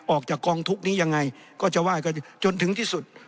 ออกจากกองทุกข์นี้ยังไงก็จะไห้กันจนถึงที่สุด